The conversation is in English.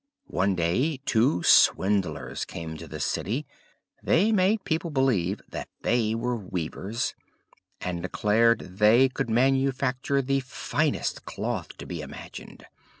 One day two swindlers came to this city; they made people believe that they were weavers, and declared they could manufacture the finest cloth to be imagined.